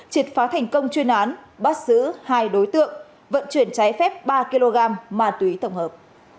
triệt phá thành công chuyên án bắt giữ hai đối tượng vận chuyển trái phép ba kg ma túy tổng hợp